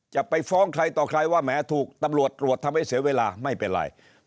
จะไปฟ้องใครต่อใครว่าแหมถูกตำรวจตรวจทำให้เสียเวลาไม่เป็นไร